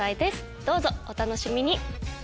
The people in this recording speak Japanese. どうぞお楽しみに。